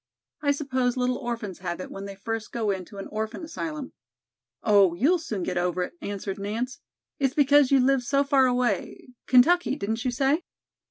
I suppose little orphans have it when they first go into an orphan asylum." "Oh, you'll soon get over it," answered Nance. "It's because you live so far away. Kentucky, didn't you say?"